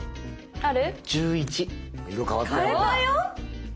ある！